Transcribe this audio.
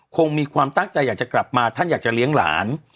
คงมีความตั้งใจอยากจะกลับมาท่านอยากจะเลี้ยงหลาน